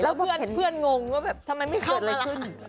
แล้วเพื่อนงงว่าแบบทำไมไม่เข้ามาละ